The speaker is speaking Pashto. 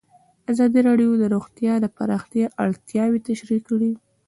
ازادي راډیو د روغتیا د پراختیا اړتیاوې تشریح کړي.